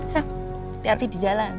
hati hati di jalan